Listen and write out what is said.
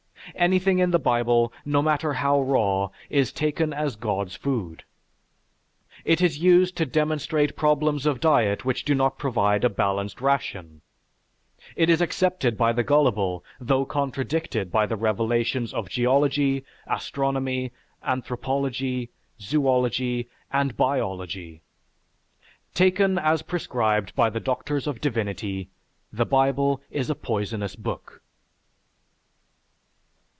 Anything in the Bible, no matter how raw, is taken as God's food. It is used to demonstrate problems of diet which do not provide a balanced ration; it is accepted by the gullible though contradicted by the revelations of Geology, Astronomy, Anthropology, Zoology, and Biology. Taken as prescribed by the doctors of divinity, the Bible is a poisonous book.